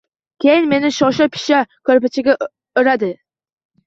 Keyin meni shosha-pisha ko‘rpachaga o‘radi.